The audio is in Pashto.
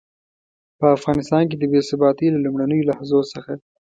په افغانستان کې د بې ثباتۍ له لومړنيو لحظو څخه.